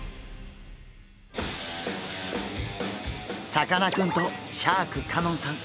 さかなクンとシャーク香音さん